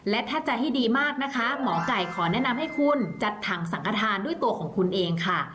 และถ้าจะให้ดีมากนะคะหมอไก่ขอแนะนำให้คุณจัดถังสังขทานด้วยตัวของคุณเองค่ะ